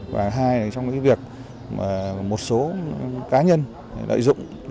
và hai là trong việc một số cá nhân lợi dụng